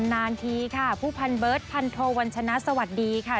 นานทีค่ะผู้พันเบิร์ตพันโทวัญชนะสวัสดีค่ะ